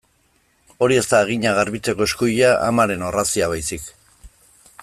Hori ez da haginak garbitzeko eskuila, amaren orrazia baizik.